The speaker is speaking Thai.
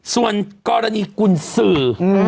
ส่วนกรณีกุญสือ